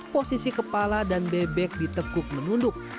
posisi kepala dan bebek ditekuk menunduk